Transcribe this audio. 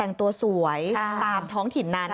แต่งตัวสวยตามท้องถิ่นนั้น